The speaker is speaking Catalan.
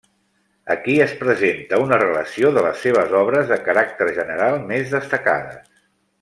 Aquí es presenta una relació de les seves obres de caràcter general més destacades.